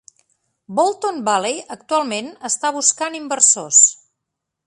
Bolton Valley actualment està buscant inversors.